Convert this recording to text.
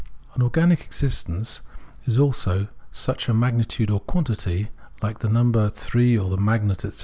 An organic existence is also such a magnitude or quantity, like the number three or a magnet, etc.